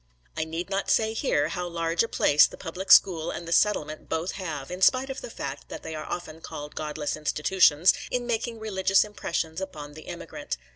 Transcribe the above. I need not say here how large a place the public school and the settlement both have (in spite of the fact that they are often called godless institutions) in making religious impressions upon the immigrant.